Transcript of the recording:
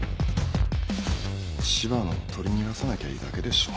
柴野を取り逃がさなきゃいいだけでしょ。